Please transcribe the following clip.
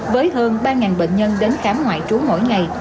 với hơn ba bệnh nhân đến khám ngoại trú mỗi ngày